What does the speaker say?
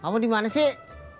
lo dimana sih